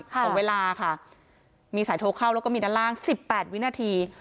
ของเวลาค่ะมีสายโทรเข้าแล้วก็มีด้านล่าง๑๘วินาที